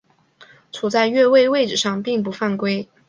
处在越位位置上并不犯规。